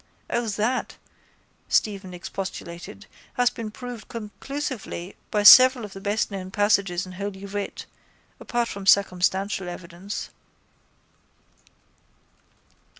—O that, Stephen expostulated, has been proved conclusively by several of the bestknown passages in Holy Writ, apart from circumstantial evidence.